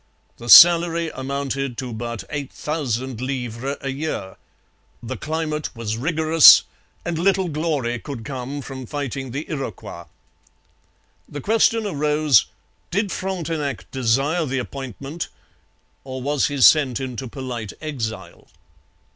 The salary amounted to but eight thousand livres a year. The climate was rigorous, and little glory could come from fighting the Iroquois. The question arose, did Frontenac desire the appointment or was he sent into polite exile?